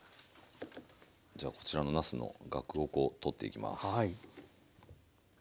じゃあこちらのなすの萼を取っていきます。